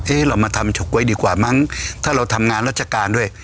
เรามาทำเฉาก๊วยดีกว่ามั้งถ้าเราทำงานราชการด้วย